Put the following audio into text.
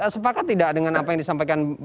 sepakat tidak dengan apa yang disampaikan